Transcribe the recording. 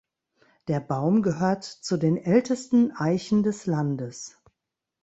Der Baum gehört zu den ältesten Eichen des Landes.